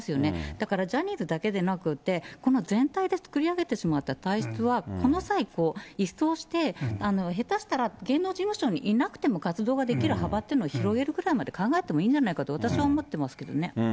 だからジャニーズだけでなくて、この全体で作り上げてしまった体質は、この際一掃して、下手したら芸能事務所にいなくても活動ができる幅というのを広げることまで考えてもいいんじゃないかと、私は思ってますけどね。